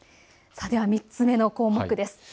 ３つ目の項目です。